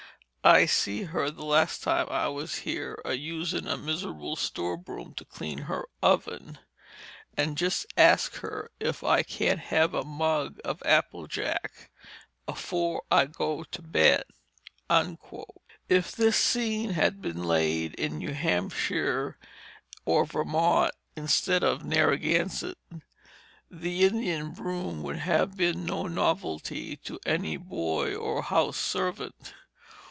I see her the last time I was here a using a mizrable store broom to clean her oven and just ask her if I can't have a mug of apple jack afore I go to bed." If this scene had been laid in New Hampshire or Vermont instead of Narragansett, the Indian broom would have been no novelty to any boy or house servant.